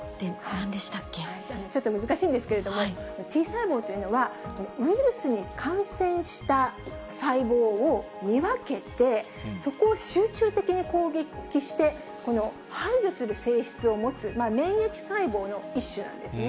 なんでしたっちょっと難しいんですけれども、Ｔ細胞というのは、ウイルスに感染した細胞を見分けて、そこを集中的に攻撃して、この排除する性質を持つ、免疫細胞の一種なんですね。